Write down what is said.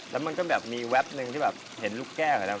แล้วมันก็แบบมีแวบหนึ่งที่แบบเห็นลูกแก้วอยู่แล้ว